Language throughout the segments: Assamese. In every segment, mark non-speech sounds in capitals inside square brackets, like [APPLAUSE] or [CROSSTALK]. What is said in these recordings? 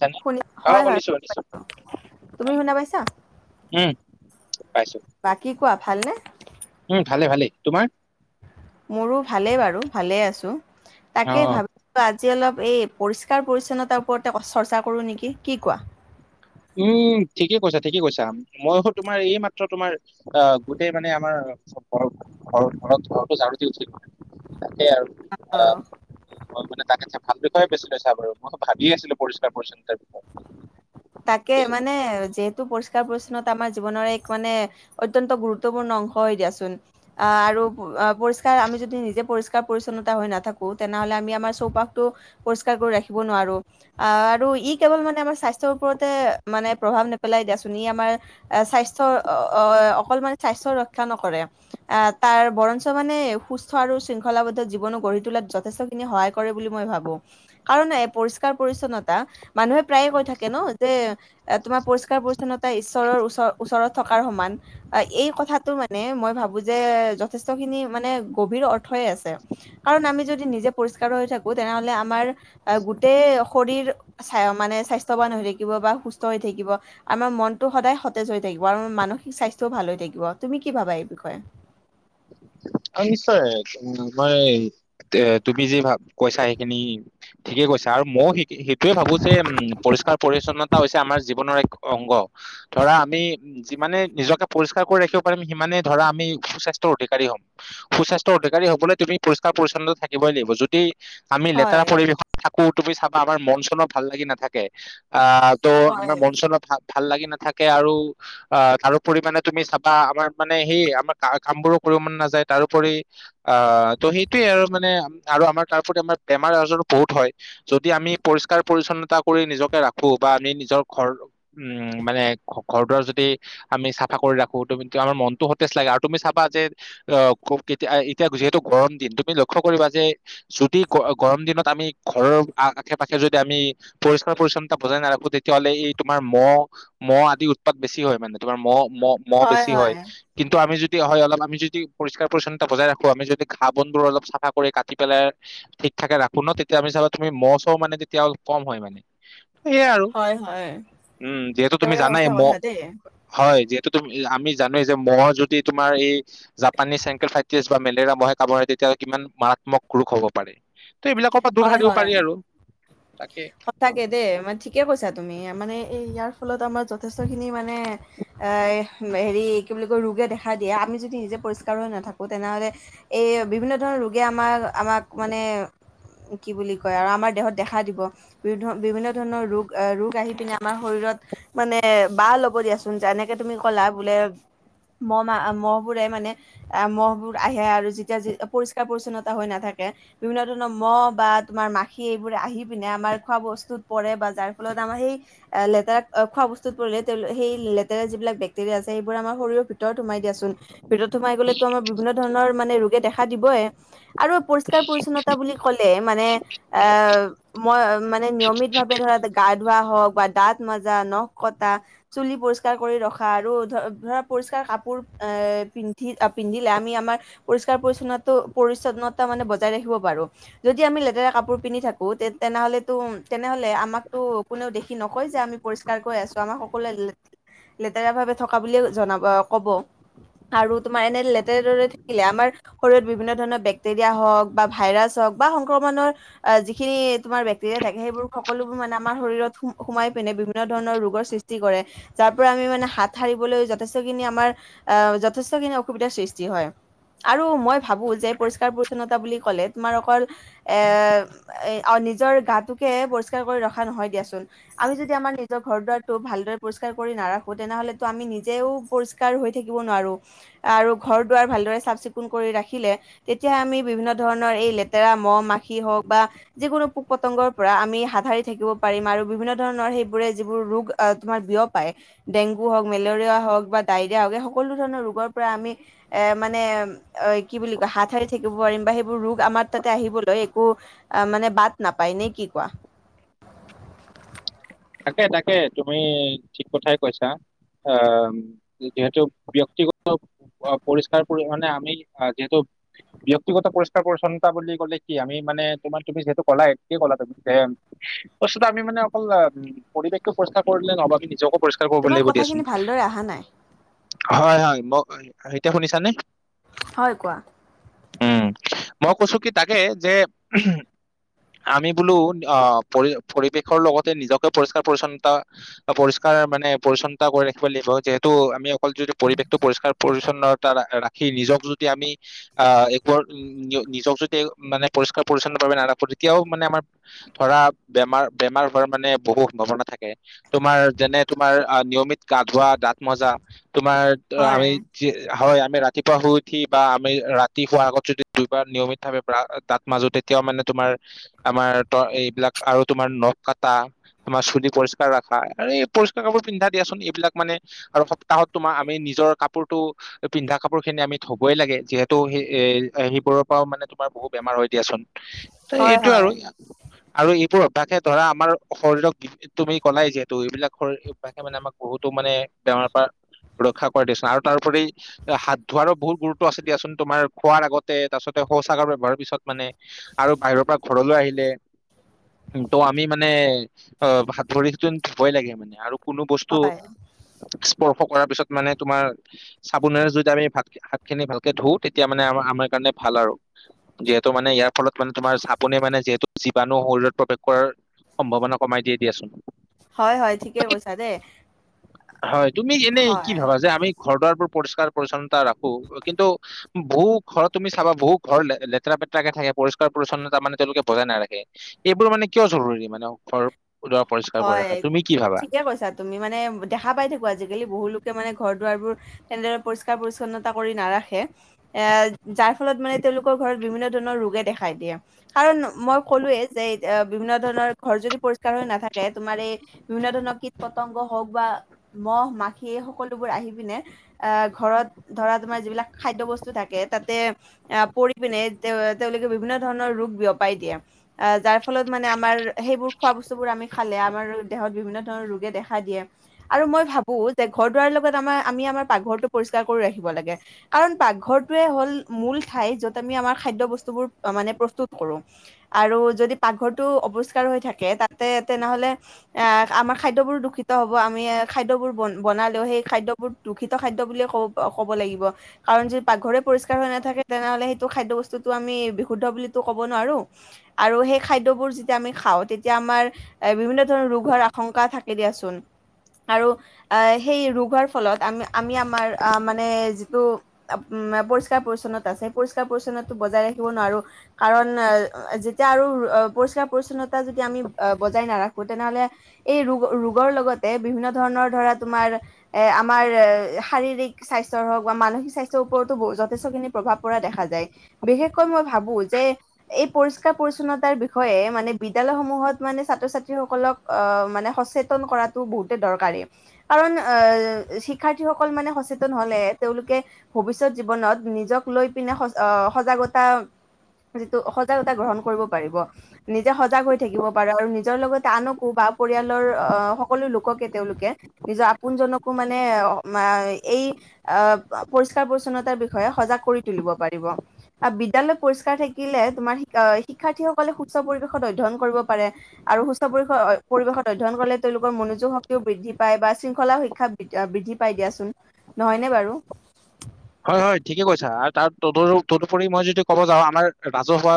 চানে শুনি অ হয় হয়। শুনিছো শুনিছো তুমি শুনা পাইছা? পাইছোঁ। বাকী কোৱা ভালনে উম ভালে ভালে তোমাৰ মোৰো ভালে বাৰু ভালে আছো অ তাকে ভাবি আজি অলপ এই পৰিষ্কাৰ পৰিছন্নতাৰ ওপৰতে চৰ্চা কৰোঁ নেকি, কি কোৱা? উম ঠিকে কৈছা ঠিকে কৈছা। মই অক তোমাৰ এই মাত্ৰ তোমাৰ অ গোটেই মানে আমাৰ। ঘৰটো ঝাৰো দি উঠিলো সে আৰু আ, অ ঘৰত মানে ভাল বিষয়ে বাছি লৈচা বাৰু মইতো ভাবিয়ে আছিলো পৰিষ্কাৰ পৰিছন্নতাৰ বিষয়ে তাকে মানে যিহেতু পৰিষ্কাৰ পৰিস্কাৰ পৰিছন্নতা আমাৰ জীৱনৰ এক মানে অত্যন্ত গুৰুত্বপূৰ্ণ অংশ হৈ দিয়াচোন আহ আৰু অ পৰিষ্কাৰ আমি যদি নিজে পৰিষ্কাৰ পৰিচ্ছন্নতা হৈ নাথাকো। তেনেহ'লে আমি আমাৰ চৌপাশটো পৰিষ্কাৰ কৰি ৰাখিব নোৱাৰোঁ আহ আৰু ই কেৱল মানে আমাৰ স্বাস্থ্যৰ ওপৰতে মানে প্ৰভাৱ নেপেলায় দিয়াচোন ই আমাৰ স্বাস্থ্যৰ অ অ অকল মানে স্বাস্থ্যৰ ৰক্ষা নকৰে আহ তাৰ বৰঞ্চ মানে সুস্থ আৰু শৃংখলাবদ্ধ জীৱনো গঢ়ি তোলাত যথেষ্ট খিনি সহায় কৰে বুলি মই ভাবো কাৰণ পৰিষ্কাৰ পৰিছন্নতা মানুহে প্ৰায়ে কৈ থাকে ন যে তোমাৰ পৰিষ্কাৰ পৰিচ্ছন্নতা ঈশ্বৰৰ ওচৰ ওচৰত থকাৰ সমান আহ এই কথাটো মানে মই ভাবো যে যথেষ্ট খিনি মানে গভীৰ অৰ্থই আছে কাৰণ আমি যদি নিজে পৰিষ্কাৰ হৈ নাথাকো তেনেহলে আমাৰ গোটেই শৰীৰ মানে স্বাস্থ্যৱান হৈ থাকিব থাকিব বা সুস্থ হৈ থাকিব আমাৰ মনটো সদায় সতেজ হৈ থাকিব আৰু মানসিক স্বাস্থ্যও ভাল হৈ থাকিব তুমি কি ভাবা এই বিষয়ে অ নিশ্চয় মই এ তুমি যি ভা কৈছা সেইখিনি ঠিকে কৈছা আৰু মও সে সেইটোয়ে ভাবো যে উম পৰি পৰিষ্কাৰ পৰিছন্নতা হৈছে আমাৰ জীৱনৰ এক অংগ ধৰা আমি যিমানে নিজকে পৰিষ্কাৰ কৰি ৰাখিব পাৰিম সিমানেই ধৰা আমি সুস্বাস্থ্যৰ অধিকাৰী হ'ম সুস্বাস্থ্যৰ অধিকাৰী হ'বলৈ তুমি পৰিষ্কাৰ পৰিছন্নতা থাকিবই লাগিব যদি আমি লেতেৰা হয় পৰিবেশত থাকো থাকো তুমি চাবা আমাৰ মন চনো ভাল লাগি নাথাকে আহ তু' হয় আমাৰ মন চনৰ ভাল ভাল লাগি নাথাকে আৰু অ তাৰোপৰি মানে তুমি চাবা আমাৰ মানে সেই আমাৰ কা কাম বোৰো কৰিব মন নেযায় তাৰোপৰি আহ ত সেইটোৱে আৰু মানে আৰু আমাৰ তাৰোপৰি আমাৰ বেমাৰ আজাৰো বহুত হয় যদি আমি পৰিষ্কাৰ পৰিছন্নতা কৰি নিজকে ৰাখো বা আমি নিজৰ ঘৰ উম মানে ঘৰ দুৱাৰ যদি আমি চাফা কৰি ৰাখো তুম আমাৰ মনটো সতেজ লাগে আৰু তুমি চাবা যে অ খুব কেতিয়া এতিয়া যিহেতু গৰম দিন তুমি লক্ষ্য কৰিবা যে যদি গ গৰম দিনত আমি ঘৰৰ আশে পাশে যদি আমি পৰিষ্কাৰ পৰিছন্নতা বজাই নাৰাখো তেতিয়াহ'লে এই তোমাৰ ম মহ আ দি উৎপাত বেছি হয় মানে তোমাৰ মহ মহ মহ বেছি হয়, কিন্তু আমি যদি হয় অলপ আমি যদি পৰিস্কাৰ পৰিছন্নতা বজাই ৰাখো আমি যদি ঘাঁহ বনবোৰ অলপ চাফা কৰি কাটি পেলাই ঠিক ঠাকে ৰাখো ন তেতিয়া আমি চাবা তুমি মহ চহ মানে তেতিয়া অলপ কম হয় মানে। সেইয়াই আৰু, হয় হয় উম যিহেতু তুমি একেবাৰে জানাই সঁচা ম, কথা দেই হয় যি তুমি আমি জানোৱেই যে মহ যদি তোমাৰ এই পানী চেংকৰফাইটিছ বা মেলেৰিয়া মহে কামুৰে তেতিয়াহলে কিমান মাৰাত্মক ৰোগ হ'ব পাৰে। ত এইবিলাকৰ পৰা দূৰ সাৰিব পাৰি আৰু। তাকে স থাকে দেই মানে ঠিকে কৈছা তুমি মানে ইয়াৰ ফলত আমাৰ যথেষ্ট খিনি মানে এ হেৰি কি বুলি কৈ ৰো ৰোগে দেখা দিয়ে আমি যদি নিজে পৰিষ্কাৰ হৈ নেথাকোঁ, তেনেহ'লে এই বিভিন্ন ধৰণৰ ৰোগে আমাৰ আমাক মানে কি বুলি কয় আৰু আমাৰ দেহত দেখা দিব বি বিভিন্ন ধৰণৰ ৰোগ এ ৰোগ আহি পিনে আমাৰ শৰীৰত মানে বাহ ল'ব দে দিয়াচোন যেনেকে তুমি ক'লা বোলে মহ মাহ মহ বোৰে মানে আহ মহবোৰ আহে আৰু যেতিয়া পৰিষ্কাৰ পৰিছন্নতা হৈ নেথাকে কে। বিভিন্ন ধৰণৰ মহ বা তোমাৰ মাখি এইবোৰে আহি পিনে আমাৰ খোৱা-বস্তুত পৰে বা যাৰ ফলত আমাৰ সেই লেতেৰা অ'- খোৱা বস্তুত পৰিলে, সেই লেতেৰা যিবিলাক বেক্টেৰিয়া আছে, সেইবোৰ আমাৰ শৰীৰৰ ভিতৰত সোমায় দিয়াচোন। ভিতৰত সোমাই গ'লেতো, আমাৰ বিভিন্ন ধৰণৰ মানে ৰোগে দেখা দিবয়ে। আৰু পৰিষ্কাৰ-পৰিচ্ছন্নতা বুলি ক'লে মানে অ' মই মানে নিয়মিতভাৱে ধৰা তা- গা ধোৱা হওঁক বা দাঁত মাজা, নখ কটা, চুলি পৰিষ্কাৰ কৰি ৰখা আৰু ধ- ধৰা পৰিষ্কাৰ কা পোৰ অ'- পিন্ধি- পিন্ধিলে, আমি আমাৰ পৰিষ্কাৰ পৰিছন্নতো- পৰিছন্নতা মানে বজাই ৰা খিব পাৰোঁ। যেতিয়া আমি লেতেৰা কাপোৰ পিন্ধি থাকোঁ, তে তেনেহ'লেতো- তেনেহ'লে আমাকতো কোনেও দেখি নকয়, যে আমি পৰিষ্কাৰকৈ আছোঁ। আমাক সকলোৱে লে লেতেৰাভাৱে থকা বুলিয়ে জনাব- অ'- ক'ব। আৰু তোমাৰ এনে লেতেৰেৰে থাকিলে, আমাৰ শৰীৰত বিভিন্ন ধৰণৰ বেক্টেৰিয়া হওঁক বা ভাইৰাছ হ হওঁক বা সংক্ৰমণৰ অ'- যিখিনি তোমাৰ বেক্টেৰিয়া থাকে, সেইবোৰ সকলোবোৰ মানে আমাৰ শৰীৰত সো- সোমাই পিনে বিভিন্ন ধৰণৰ ৰোগৰ সৃষ্টি কৰে। যা ৰ পৰা আমি মানে হাত সাৰিবলৈ যথেষ্টখিনি আমাৰ- অ'- যথেষ্টখিনি অসুবিধাৰ সৃষ্টি হয়। আৰু মই ভাবোঁ যে পৰিষ্কাৰ-পৰিচ্ছন্নতা বুলি ক'লে, তোমাৰ অকল এ‌ অ' নিজৰ গাটোকে পৰিষ্কাৰ কৰি ৰখা নহয়, দিয়াচোন। আমি যদি আমাৰ নিজৰ ঘৰ-দুৱাৰটো ভালদৰে পৰিষ্- কাৰ কৰি নাৰাখোঁ, তেনেহলেতো আমি নিজেও পৰিষ্কাৰ হৈ থাকিব নোৱাৰোঁ। আৰু ঘৰ-দুৱাৰ ভালদৰে চাফ-চিকুণ কৰি ৰাখিলে, তেতিয়া আমি বিভিন্ন ধৰণৰ এই লেতেৰা মহ-মাখি হওঁক বা যিকোনো পোক-পতংগৰ পৰা আমি হাত হাৰি থাকিব পাৰিম। আৰু বিভিন্ন ধৰণৰ সেইবোৰে যিবোৰ ৰোগ অ'- তোমাৰ দিব পাৰে। ডেংগু হওঁক, মেলেৰিয়া হওঁক বা ডাইৰিয়া হওঁক, এই সকলো ধৰণৰ ৰোগৰ পৰা আমি এ- মা নে অ' কি বুলি কয়, হাত সাৰি থাকিব পাৰিম বা সেইবোৰ ৰোগ আমাৰ তাতে আহিবলৈ একো অ'- মানে বাট নাপায়, নে কি কোৱা? তাকে - তাকে, তুমি ঠিক কথাই কৈছা। অ', যিহেতু ব্যক্তিগত পৰিষ্কাৰ পৰিহনে আমি, অ'- যিহেতু ব্যক্তিগত পৰিষ্কাৰ-পৰিচ্ছন্নতা বুলি ক'লে কি, আমি মানে তোমাৰ তুমি যিহেতু ক'লায়ে, ঠিকে ক'লা তুমি যে বস্তুটো আমি মানে অকল অ'- পৰিৱেশক পৰিষ্কাৰ কৰিলে নহব। আমি নিজকো পৰিষ্কাৰ কৰিব তোমাৰ লাগিব দিয়াচোন। কথাখিনি ভালদৰে অহা নাই হয় - হয়, ম- এতিয়া শুনিছানে? হয়, কোৱা? উম। মই কৈছোঁ কি তাকে, যে আমি বোলো, অ'- পৰি- পৰিৱেশৰ লগতে নিজক পৰিষ্কাৰ-পৰিচ্ছন্তা- পৰিষ্কাৰ মানে, পৰিচ্ছন্তা কৰি ৰাখিব লাগিব। যিহেতু আমি অকল যদি পৰি বেশটো পৰিষ্কাৰ-পৰিছন্নতা ৰাখি নিজক যদি আমি অ'- একো আৰ নিজক যদি মানে পৰিষ্কাৰ-পৰিছন্নভাবে নাৰাখোঁ, তেতিয়াও মানে আমাৰ ধৰা, বেমাৰ- বেমাৰ হোৱাৰ মানে বহু সম্ভাৱনা থাকে। তোমাৰ যেনে, তোমাৰ অ'- নিয়মিত গা ধোৱা, দাঁত মাজা তোমাৰ- হয় আমি- যি হয় আমি ৰাতিপুৱা শুই উঠি বা আমি ৰাতি শোৱাৰ আগত যদি দুইবাৰ নিয়মিতভাৱে ব্ৰা- দাঁত মাজোঁ, তেতিয়াও মানে তোমাৰ- আমাৰ তো এইবিলাক আৰু তোমাৰ নখ কাটা তোমাৰ চুলি পৰিষ্কাৰ ৰখা আৰু এই পৰিষ্কাৰ কাপোৰ পিন্ধা দিয়াচোন। এইবিলাক মানে, আৰু সপ্তাহত তোমাৰ আমি নিজৰ কাপোৰটো, পিন্ধা কাপোৰখিনি আমি ধুবই লাগে। যিহেতু সে- এ সেইবোৰৰ পৰাও মানে তাৰ বহুত বেমাৰ হৈ দিয়াচোন। তো হয় এইটোৱে হয় আৰু। আৰু এইবোৰ অভ্যাসে ধৰা আমাৰ শৰীৰক, তুমি ক'লাই যিহেতু এইবিলাক শৰীৰ অভ্যাসে মানে আমাক বহুতো মানে বেমাৰৰ পৰা ৰক্ষা কৰে দিয়াচোন। আৰু তাৰোপৰি হাত ধোৱাৰো বহুত গুৰুত্ব আছে দিয়াচোন। তোমাৰ খোৱাৰ আগতে, তাৰপাছতে শৌচাগাৰ ব্যৱহাৰৰ পিছত মানে, আৰু বাহিৰৰ পৰা ঘৰলৈ আহিলে। তো আমি মা নে অ' হাত-ভৰিটো ধুবই লাগে মানে। আৰু কোনো বস্তু হয় স্পৰ্শ কৰাৰ পিছত মানে তোমাৰ চাবোনেৰে যদি আমি ভাতখি- হাতখিনি ভালকে ধুও, তেতিয়া মানে আমাৰ আমাৰ কাৰণে ভাল আৰু। যিহেতু মানে ইয়াৰ ফলত মানে তোমাৰ চাবোনে মানে যিহেতু জীৱাণু শৰীৰত প্ৰৱেশ কৰাৰ সম্ভাৱনা কমাই দিয়ে দিয়াচোন। হয় - হয়, ঠিকে তাকে, কৈছা দেই। হয় তুমি এনেই কি হয় ভাবা, যে আমি ঘৰ দুৱাৰোৰ পৰিষ্কাৰ পৰিচ্ছন্নতা ৰাখো, কিন্তু বহু ঘ তুমি চাবা বহু ঘৰ লেতেৰা। টাকে থাকে। পৰিষ্কাৰ পৰিচ্ছন্নতা মানে তেওঁলোকে বজাই নাখে, এইবোৰ মানে কিয় জৰুৰী মানে ঘৰ। দুৱাৰ পৰিষ্কাৰ কৰি হয় ৰাখা তুমি কি ভাবা ঠিকে কৈছা। তুমি মানে দেখা পাই থাকো আজিকালি বহু লোকে মানে ঘৰত। দাৰবোৰ তেনেদৰে পৰিষ্কাৰ-পৰিচ্ছন্নতা কৰি নাৰাখে। যাৰ ফলত মানে তেওঁলোকৰ ঘৰত বিভিন্ন ধৰণৰ ৰোগে দেখাই দিয়ে, কাৰণ মই ক'লোৱে যে এ বিভিন্ন ধৰণৰ ঘৰ যদি পৰিস্কাৰ হৈ নাথাকে। বিভিন্ন ধৰণৰ কৃত-পতংগ হওক বা মহ মাখি সকলোবোৰ আহি পিনে আহ ঘৰত ধৰা তোমাৰ যিবিলাক খাদ্য বস্তু থাকে তাতে পৰি পিনে তেওঁলোকে। বিভিন্ন ধৰণৰ ৰোগ বিয়পাই দিয়ে। যাৰ ফলত মানে আমাৰ সেইবোৰ খোৱা বস্তুোৰ আমি খালে আমাৰ দেহত। বিভিন্ন ধৰণৰ ৰোগে দেখা দিয়ে আৰু মই ভাবো যে ঘৰ দুৱাৰ লগত আমাৰ আমি আমাৰ পাকঘৰ টো পৰিষ্কাৰ ৰাখিব লাগে, কাৰণ পাকঘৰোৱে হ'ল মূল ঠাই যত আমি আমাৰ খাদ্য বস্তুবোৰ অহ মানে প্ৰস্তুত কৰোঁ আৰু যদি পাক ঘৰ টো অপৰিষ্কাৰ হৈ থাকে। তাতে তেনেহ'লে এ আমাৰ খাদ্যয়বোৰ দূষিত হ'ব, আমি খাদ্যবোৰ বন বনালেও সেই খাদ্যবোৰ দূষিত খাদ্য বুলি ক ক'ব লাগিব। কাৰণ যদি পাকঘৰে পৰিষ্কাৰ হৈ নাথাকে তেনেহ'লে সেইটো খাদ্য বস্তু আমি বিশুদ্ধ বুলিতো ক'ব নোৱাৰো আৰু সেই খাদ্যবোৰ যেতিয়া আমি খাওঁ, তেতিয়া আমাৰ এ বিভিন্ন ধৰণৰ ৰোগ হোৱাৰ আশংকা থাকে দিয়াচোন। আৰু আহ সেই ৰোগৰ ফলত আমি আমি আমাৰ আহ মানে যিটো আ পৰিষ্কাৰ পৰিচালনত আছে, পৰিষ্কাৰ পৰিচলনটো বজাই ৰাখিব নোৱাৰো, কাৰণ যেতিয়া আৰু ষ্ছনতা যদি আমি বজাই নাৰাখো তেনেহ'লে এই ৰোগৰ লগতে বিভিন্ন ধৰণৰ ধৰা তোমাৰ আমাৰ শাৰীৰিক স্বাস্থৰ হওক বা মানসিক স্বাস্থ্যৰ ওপৰতো যথেষ্টখিনি প্ৰভাৱ পৰা দেখা যায়। বিশেষকৈ মই ভাবো যে এই পৰিষ্কাৰ পৰিচ্ছন্নতাৰ বিষয়ে, মানে বিদ্যলয় সমূহত। মানে ছাত্ৰ ছাত্ৰীসকলক আহ মানে সচেতন কৰাতো বহুতে দৰকাৰী। কাৰণ, আহ শিক্ষাৰ্থীসকল মানে সচেতন হ'লে তেওঁলোকে ভৱিষ্যত জীৱনত নিজক লৈ পিনে অ' তা গ্ৰ কৰিব প নিজোগ হৈ থিব [UNINTELLIGIBLE] পাৰে, নিজৰ লগ আনকো বা পৰিয়ালৰ সকলো লোককে তেওঁলোকে নিজৰ আপোনো জনকো বা মানে এই আহ পৰিষ্কাৰ-পৰিছন্নতাৰ বিষয়ে সজাগ কৰি তুলিব পাৰিব। বিদ্যালয়ৰ পৰিস্কাৰ থাকিলে। তোমাৰ শিক্ষাৰ্থীসকলে সুস্থ পৰিৱেশত অধ্যয় কৰিব আৰু সুস্থ-পৰিবেশত অধ্যয়ন কৰিলে। তেওঁলোকৰ মনোযোগ শক্তিও বৃদ্ধি পায় বা শৃংখলা শিক্ষা বৃদ্ধি পাই দিয়াচোন, নহয়নে বাৰু? হয়, হয় ঠিকে কৈছা আৰু তাৰ ত তদুপৰি মই যদি ক'ব যাওঁ। আমাৰ ৰাজহুৱা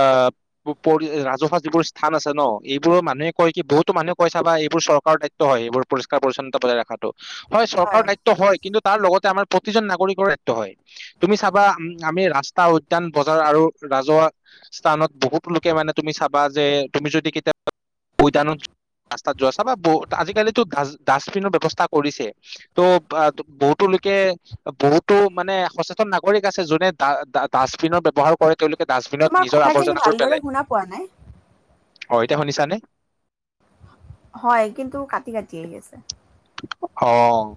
আহ তাত পৰি ৰাজহুৱা যিবোৰ স্থান আছে ন এইবোৰৰ মানুহে কয় কি বহুতো মানুহে কৈ চাবা এইবোৰ চৰকাত খাদ্য হয় সেইবোৰ পৰিষ্কাৰ পৰি্ছন্না বজাই ৰখাটো হয়। চৰকাৰৰ দায়িত্ব হয় কিন্তু তাৰ লগতে আমাৰ প্ৰতিজন নাগৰিক নাগৰিক হয় তুমি চাবা আমি ৰাস্তা উদ্যান বজাৰ আৰু ৰাজহুৱা স্থানত বহুত লোকে মানে তুমি চাবা যে তুমি যদি কেতিয়াবা উদানত। ৰাস্তাত যোৱা বা বহুত আজিকালিতো ডা ডাষ্টবিনৰ ব্যৱস্থা কৰিছে ত' বহুতো, তাকে বহুতো মানে সচেতন নাগৰিক আছে। জানো ডাষ্টবিনৰ ব্যৱহাৰ কৰে। তেওঁলোক ডাষ্টবিনত তোমাৰ নিজৰ কথাখিনি আৱৰ্জনাবোৰ ভালদৰে পেলায়। শুনা পোৱা নাই অ' এতিয়া শুনিছানে? হয় কিন্তু কাটি কাটি আহি আছে। অ'।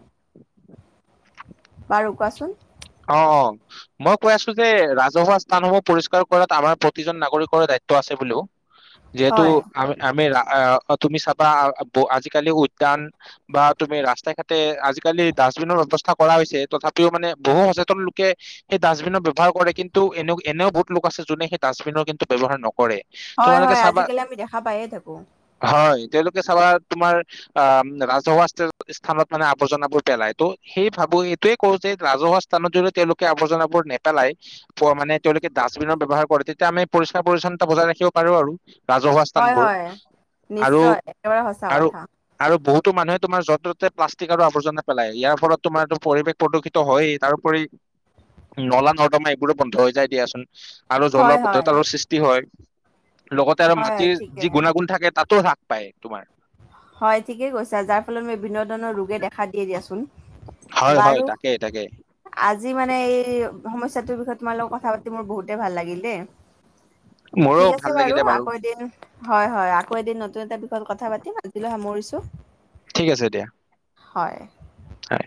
আৰু কোৱাচোন‌? অ' অ' মই কৈ আছো যে ৰাজহুৱা স্থানসমূহ পৰিষ্কাৰ কৰাত আমাৰ প্ৰতিজন নাগৰিকৰৰে দায়িত্ব। আছে বুলিও যিহেতু হয় আমি আমি। অ' তুমি চাবা আজিকালি উদ্যান বা তুমি ৰাস্তা ঘাটে আজিকালি। ডাষ্টবিনৰ ব্যৱস্থা কৰা হৈছে। তথাপিও মানে বহু সচেতন লোকে সেই ডাষ্টবিনৰ ব্যৱহাৰ কৰে কিন্তু এনে এনেও বহুত লোক আছে। যোনে সেই ডাষ্টবিনৰ কিন্তু। ব্যৱহাৰ নকৰে। হয় তোমালোকে হয় চাবা আজিকালি আমি দেখা পায়ে থাকো। হয় তেওঁলোকে চাবা তোমাৰ আম ৰাজহুৱা স্থানত মানে আৱৰ্জনাবোৰ পেলাই ত' সেই ভাব এইটোয়ে কও যে, ৰাজহুৱা স্থানত যদি তেওঁলোকে আৱৰ্জনাবোৰ নেপেলাই মানে তেওঁলোকে ডাষ্টবিনৰ ব্যৱহাৰ কৰে তেতিয়া আমি প- পৰিষ্কাৰ পৰিচ্ছন্নতা বজাই ৰাখিব পাৰো আৰু ৰাজহুৱা হয় স্থানবোৰ হয় আৰু নিশ্চয় একেবাৰে সঁচা আৰু কথা আৰু বহুত টো মানুহে তোমাৰ যতে প্লষ্টিক আৰু আৱজনা পেলায় ইয়াৰ ফলত তোমাৰ পৰিৱেশ প্ৰদূষিত হয়েই তাৰোপৰি নলা নৰ্দমা এইবোৰো বন্ধ হৈ যায় দিয়াচোন আৰু হয় হয় জলবদ্ধতাৰো সৃষ্টি হয় লগতে আৰু হয় হয় মাটিৰ ঠিকে যি গুণাগুণ থাকে তাতো হ্ৰাস পায় তোমাৰ হয় ঠিকে কৈছা যাৰ ফলত মই বিভিন্ন ধৰণৰ ৰোগে দেখা দিয়ে দিয়াচোন। হয় হয় বাৰু তাকে তাকে আজি মানে এই সমস্যাটোৰ বিষয়ে তোমাৰ লগত কথা পাতি মোৰ বহুতে ভাল লাগিল দেই। মোৰো ঠিক ভাল আছে বাৰু লাগিলে আকৌ এদিন হয় হয় আকৌ এদিন নতুন এটা বিষয়ত কথা পাতিম আজিলৈ সামৰিছো ঠিক আছে দিয়া হয় হয়